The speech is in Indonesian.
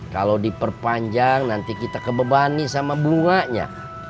kalau diperpanjang nanti kita kebebani sama bunganya